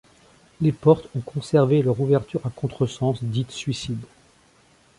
Les portes ont conservé leur ouverture à contre sens, dite suicide.